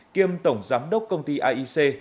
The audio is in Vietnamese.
kiêm tổng giám đốc công ty aic